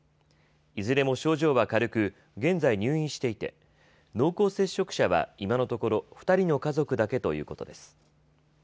いずれも症状は軽く現在、入院していて濃厚接触者は今のところ、２人の家族だけということです。